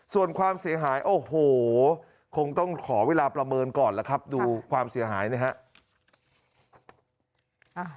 ส่วนความเสียหายโอ้โหคงต้องขอเวลาประเมินก่อนแล้วครับดูความเสียหายนะครับ